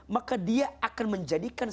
maka dia akan menjadikan